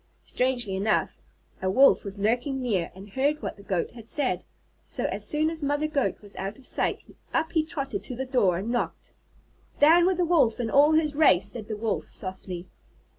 '" Strangely enough, a Wolf was lurking near and heard what the Goat had said. So, as soon as Mother Goat was out of sight, up he trotted to the door and knocked. "Down with the Wolf and all his race," said the Wolf softly.